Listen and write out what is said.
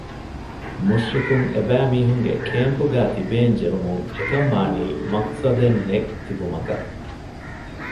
މުޝްރިކުން އެބައިމީހުންގެ ކޭމްޕުގައި ތިބޭން ޖެހުމުން އެކަންވާނީ މަޤްޞަދެއްނެތް ތިބުމަކަށް